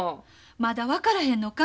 まだ分からへんのか？